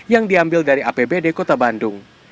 yang diambil dari apbd kota bandung